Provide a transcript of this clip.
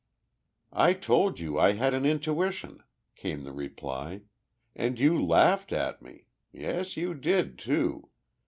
"I told you I had an intuition," came the reply, "and you laughed at me. Yes you did, too!